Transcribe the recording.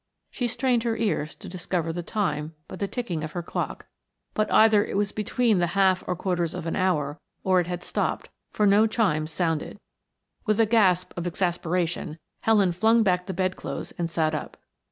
She strained her ears to discover the time by the ticking of her clock, but either it was between the half or quarters of an hour, or it had stopped, for no chimes sounded. With a gasp of exasperation, Helen flung back the bed clothes and sat up.